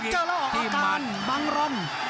เจอแล้วออกอาการบังรน